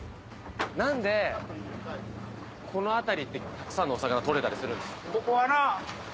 何でこの辺りってたくさんのお魚が取れたりするんですか？